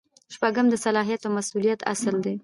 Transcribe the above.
شپږم د صلاحیت او مسؤلیت اصل دی.